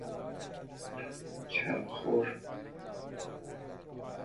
کمخور